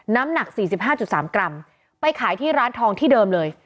น้ำหนักสี่สิบห้าจุดสามกรัมไปขายที่ร้านทองที่เดิมเลย